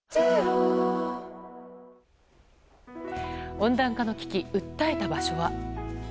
温暖化の危機、訴えた場所は。